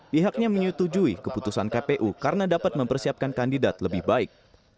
pihaknya menyetujui keputusan kpu karena dapat mempersiapkan kandidat lebih baik